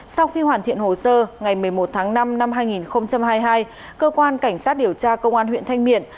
sau khi hoàn thiện hồ sơ ngày một mươi một tháng năm năm hai nghìn hai mươi hai cơ quan cảnh sát điều tra công an huyện thanh miện